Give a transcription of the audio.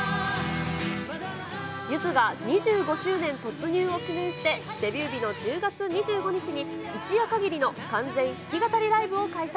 ゆずが２５周年突入を記念してデビュー日の１０月２５日に一夜限りの完全弾き語りライブを開催。